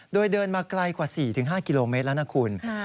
โดยเดินมาไกลกว่า๔๕กิโลเมตรแล้วนะคุณ